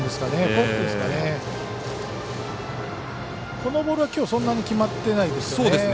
このボールは、きょうそんなに決まってないですよね。